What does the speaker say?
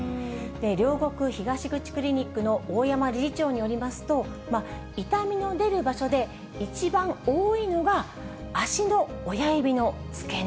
両国東口クリニックの大山理事長によりますと、痛みの出る場所で一番多いのが、足の親指の付け根。